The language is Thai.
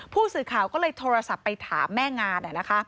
ผู้สื่อข่าวก็เลยโทรศัพท์ไปถามแม่งาน